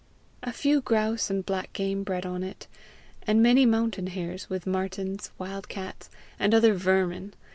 A few grouse and black game bred on it, and many mountain hares, with martens, wild cats, and other VERMIN.